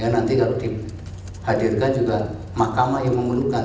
nanti kalau dihadirkan juga mahkamah yang mengundurkan